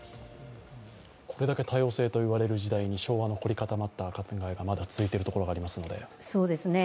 これだけ多様性といわれる時代に昭和の凝り固まった考えがまだ続いているところがありますので。